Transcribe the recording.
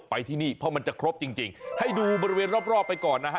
ที่นี่เพราะมันจะครบจริงให้ดูบริเวณรอบไปก่อนนะฮะ